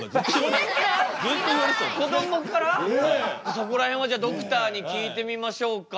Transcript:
そこら辺はじゃあドクターに聞いてみましょうか。